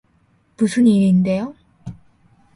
무슨 일인데요?